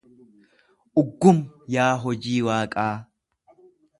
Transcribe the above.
Uggum yaa hojii Waaqaa!